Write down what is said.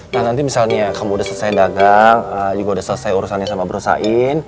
nah nanti misalnya kamu udah selesai dagang juga udah selesai urusannya sama brosain